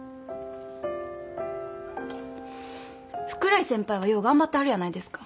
福来先輩はよう頑張ってはるやないですか。